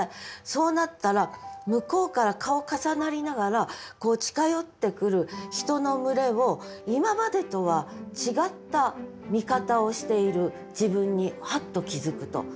そうなったら向こうから顔重なりながらこう近寄ってくる人の群れを今までとは違った見方をしている自分にハッと気付くと。